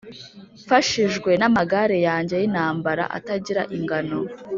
’Mfashijwe n’amagare yanjye y’intambara atagira ingano,